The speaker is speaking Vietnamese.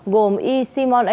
gồm y simon eban